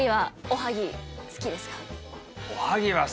おはぎは好きですよね。